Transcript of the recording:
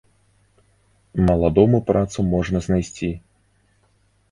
Маладому працу можна знайсці.